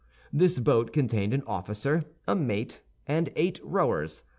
This boat contained an officer, a mate, and eight rowers.